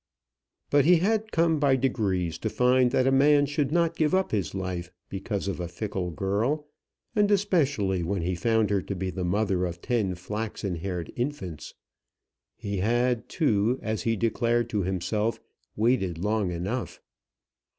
But he had come by degrees to find that a man should not give up his life because of a fickle girl, and especially when he found her to be the mother of ten flaxen haired infants. He had, too, as he declared to himself, waited long enough.